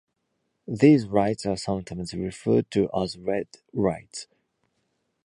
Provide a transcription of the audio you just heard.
These rights are sometimes referred to as "red" rights.